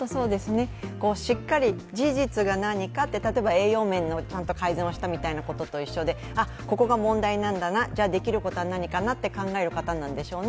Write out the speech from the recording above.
しっかり事実が何かって例えば栄養面の改善をしたみたいなことと一緒でここが問題なんだな、じゃあ、できることは何だなと考える方なんでしょうね。